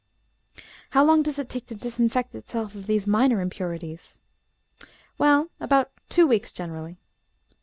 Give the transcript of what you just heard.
"How long does it take to disinfect itself of these minor impurities?" "Well, about two weeks, generally."